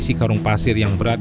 jembatan bentang lrt